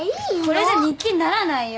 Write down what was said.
これじゃ日記にならないよ。